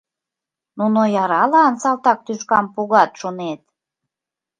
Нуно яралан салтак тӱшкам погат, шонет?!.